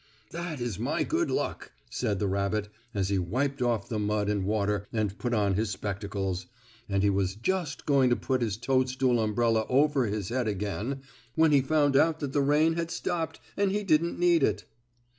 "That is good luck!" said the rabbit, as he wiped off the mud and water and put on his spectacles, and he was just going to put his toadstool umbrella over his head again when he found out that the rain had stopped and he didn't need it.